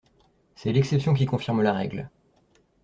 C’est l’exception qui confirme la règle.